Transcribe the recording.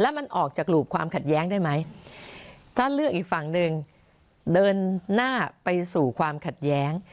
แล้วมันออกจากรูปความขัดแย้งได้ไหมถ้าเลือกอีกฝั่งหนึ่งเดินหน้าไปสู่ความขัดแย้ง